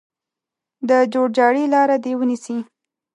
د جوړجاړي لاره دې ونیسي.